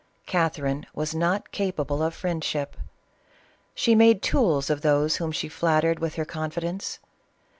Catherine was not capable of friendship. She made tools of those whom she flat tered with her confidence.